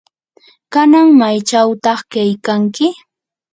¿kanan maychawta kaykanki?